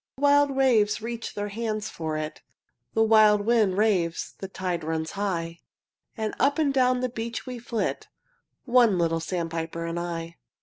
The wild waves reach their hands for it, The wild wind raves, the tide runs high, As up and down the beach we flit, One little sandpiper and I.